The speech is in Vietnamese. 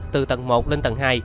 từ tầng một lên tầng hai